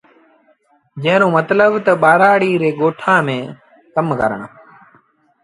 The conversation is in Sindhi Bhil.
جݩهݩ رو متلب تا ٻآرآڙي ري ڳوٺآݩ ميݩ ڪم ڪرڻ۔